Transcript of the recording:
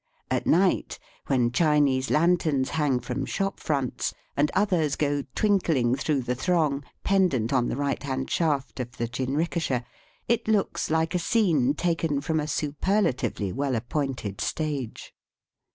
At night, when Chinese lanterns hang from shop fronts, and others go twinkling through the throng pendant on the right hand shaft of the jin rikisha, it looks Uke a scene taken from a superlatively well appointed stage.